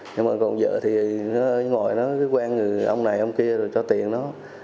nhưng mà còn vợ thì nó ngồi nó cứ quen người ông này ông kia rồi cho tiền nó